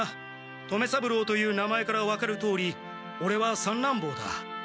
留三郎という名前から分かるとおりオレは三男ぼうだ。